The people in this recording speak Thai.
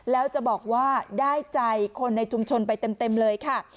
แล้วจะบอกว่าได้ใจคนในชุมชนไปเต็มเลยค่ะ